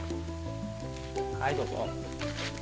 はいどうぞ。